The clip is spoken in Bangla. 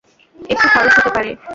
একটু খরচ হতে পারে।